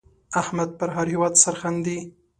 احمد پر هېواد سرښندي.